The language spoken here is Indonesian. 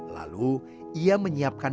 lalu ia menyiapkan